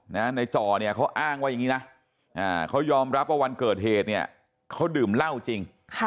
ในจ่อเนี่ยเขาอ้างว่าอย่างนี้นะเขายอมรับว่าวันเกิดเหตุเนี่ยเขาดื่มเหล้าจริง